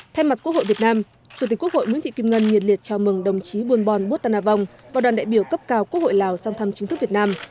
thay mặt quốc hội việt nam chủ tịch quốc hội nguyễn thị kim ngân nhiệt liệt chào mừng đồng chí buôn bon bút tân a vong và đoàn đại biểu cấp cao quốc hội lào sang thăm chính thức việt nam